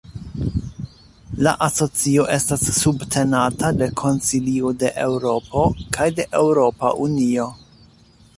La asocio estas subtenata de Konsilio de Eŭropo kaj de Eŭropa Unio.